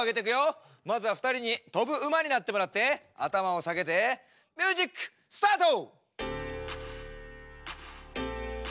まずは２人に跳ぶ馬になってもらって頭を下げてミュージックスタート！